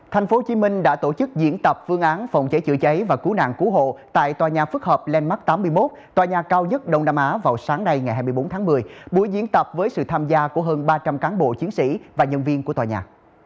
tp hcm đã tổ chức diễn tập phương án phòng cháy chữa cháy và cứu nạn cứu hộ tại tòa nhà phức hợp landmark tám mươi một tòa nhà cao nhất đông nam á vào sáng nay ngày hai mươi bốn tháng một mươi buổi diễn tập với sự tham gia của hơn ba trăm linh cán bộ chiến sĩ và nhân viên của tòa nhà